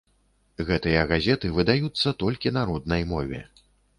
Гэтыя газеты выдаюцца толькі на роднай мове.